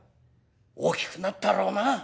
大きくなったろうな。